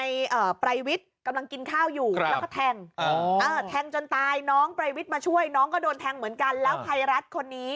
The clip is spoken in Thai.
ไว้กำลังกินข้าวอยู่ก็ดังจนตายน้องไปวิบมาช่วยน้องก็โดนแทงเหมือนกันแล้วไพรัสคนนี้